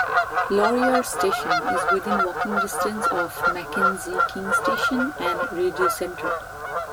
Laurier Station is within walking distance of Mackenzie King Station and the Rideau Centre.